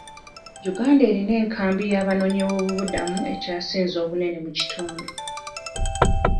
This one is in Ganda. Uganda erina enkambi y'abanoonyi b'obubudamu ekyasinze obunene mu kitundu.